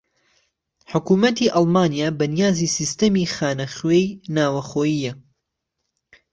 حوکمەتی ئەڵمانیا بەنیازی سیستەمی خانە خوێی ناوەخۆییە